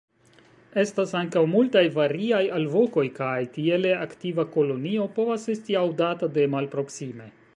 Estas ankaŭ multaj variaj alvokoj, kaj tiele aktiva kolonio povas esti aŭdata de malproksime.